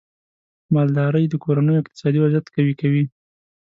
مالدارۍ د کورنیو اقتصادي وضعیت قوي کوي.